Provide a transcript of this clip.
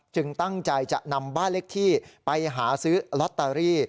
ตั้งใจจะนำบ้านเลขที่ไปหาซื้อลอตเตอรี่